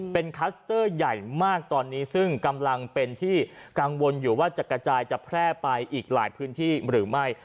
เป็นคลัสเตอร์ใหญ่มากตอนนี้ซึ่งกำลังเป็นที่กังวลอยู่ว่าจะกระจายจะแพร่ไปอีกหลายพื้นที่หรือไม่